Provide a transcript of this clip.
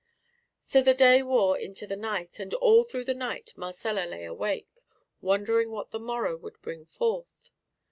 So the day wore into the night, and all through the night Marcella lay awake, wondering what the morrow would bring forth.